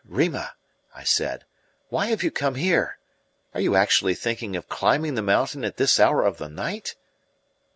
"Rima," I said, "why have you come here? Are you actually thinking of climbing the mountain at this hour of the night?"